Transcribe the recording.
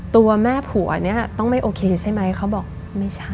ตัวแม่ผัวเนี่ยต้องไม่โอเคใช่ไหมเขาบอกไม่ใช่